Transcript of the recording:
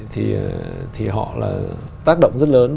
thì họ là tác động rất lớn